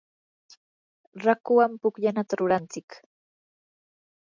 raakuwan pukllanata ruranchik.